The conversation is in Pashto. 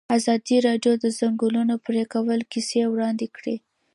ازادي راډیو د د ځنګلونو پرېکول کیسې وړاندې کړي.